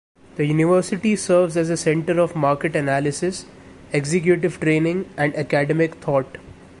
The university serves as a centre of market analysis, executive training and academic thought.